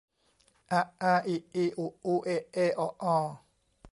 อะ อา อิ อี อุ อู เอะ เอ เอาะ ออ